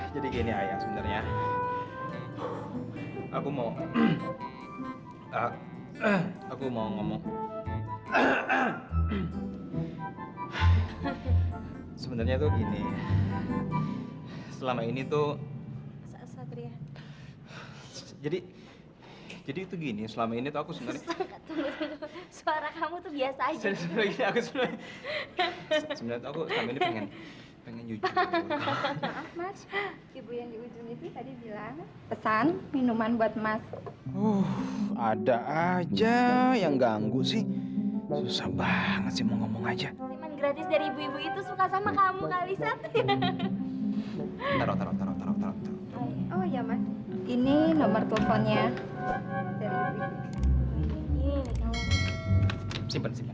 saat ini anak gue berpikir kamu mau minum tapi kamu kok mau minum